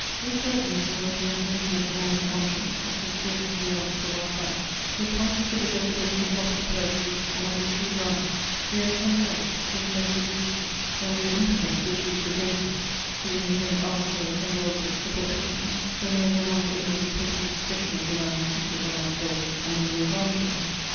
This correctness in the representation of inanimate objects is the spirit of the arts of our time: it points to the decadence of lofty poetry and of the true drama; we are content with lesser beauties, when we are impotent to achieve the greater; we imitate armchairs and velvet to perfection, when we are no longer able to paint the expression of the man seated on that velvet and in those armchairs.